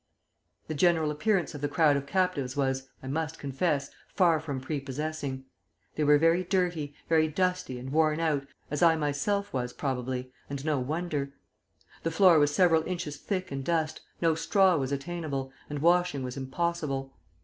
"The general appearance of the crowd of captives was, I must confess, far from prepossessing. They were very dirty, very dusty and worn out, as I myself was probably, and no wonder; the floor was several inches thick in dust, no straw was attainable, and washing was impossible.